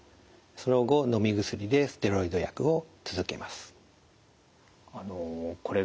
その後のみ薬でステロイド薬を続けます。